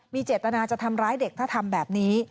มีเจตนาจะทำร้ายเด็กถ้าทำแบบนี้